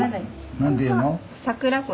何て言うの？